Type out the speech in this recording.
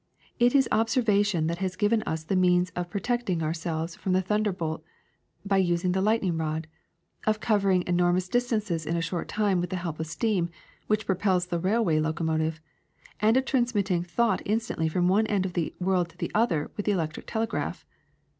It is observation that has given us the means of protecting ourselves from the thunderbolt by using the lightning rod; of covering enormous distances in a short time with the help of steam, which propels the railway locomotive; and of transmitting thought in stantly from one end of the world to the other with the electric telegraph.